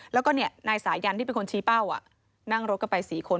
แล้วก็นายสายันที่เป็นคนชี้เป้านั่งรถกันไป๔คน